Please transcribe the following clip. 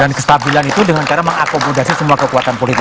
dan kestabilan itu dengan cara mengakomodasi semua kekuatan politik